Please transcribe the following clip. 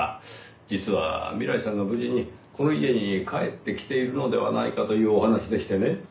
実は未来さんが無事にこの家に帰ってきているのではないかというお話でしてね。